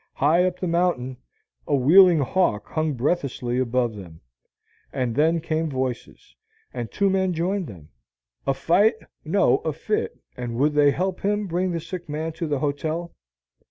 High up the mountain, a wheeling hawk hung breathlessly above them. And then came voices, and two men joined them. "A fight?" No, a fit; and would they help him bring the sick man to the hotel?